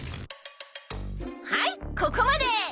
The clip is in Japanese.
はいここまで！